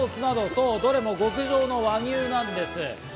そう、どれも極上の和牛なんです。